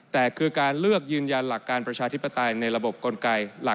แต่คือการเลือกยืนยันหลักการประชาธิปไตยในระบบกลไก